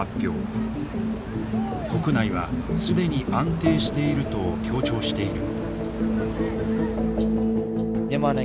国内は既に安定していると強調している。